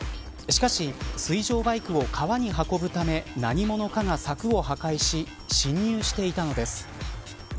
しかし水上バイクを川に運ぶため何者かが、さくを破壊し侵入していたのです。